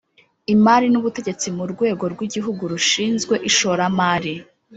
Imari nubutegetsi mu rwego rwigihugu rushinzwe ishoramari